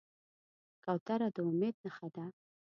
کوتره د امید نښه ده.